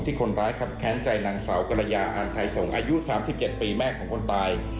คนร้ายครับแค้นใจนางสาวกรยาอ่านไทยส่งอายุ๓๗ปีแม่ของคนตาย